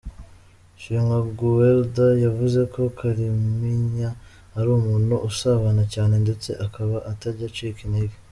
Shimwa Guelda yavuze ko Kalimpinya ari umuntu usabana cyane ndetse akaba atajya acika intege.